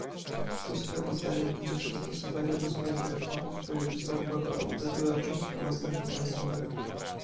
To sprawozdanie dotyczy stosowania ósmej dyrektywy w sprawie ustawowego audytu rocznych sprawozdań finansowych